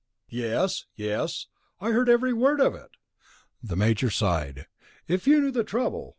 "Yes, yes, I heard every word of it," the Major sighed. "If you knew the trouble